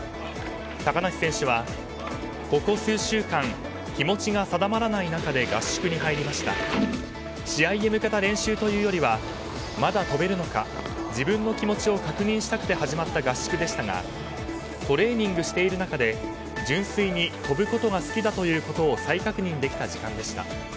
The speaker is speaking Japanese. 高梨選手は、ここ数週間気持ちが定まらない中で合宿に入りました試合へ向けた練習というよりはまだ飛べるのか自分の気持ちを確認したくて始まった合宿でしたがトレーニングしている中で純粋に飛ぶことが好きだということを再確認できた時間でした。